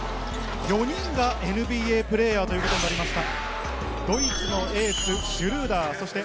４人がＮＢＡプレーヤーということになりました。